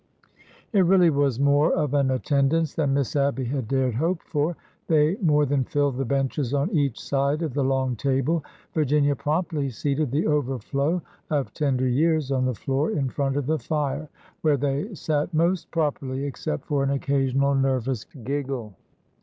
It really was more of an attendance than Miss Abby had dared hope for. They more than filled the benches on each side of the long table. Virginia promptly seated the overflow of tender years on the floor in front of the fire, where they sat most properly, except for an occasional nervous giggle.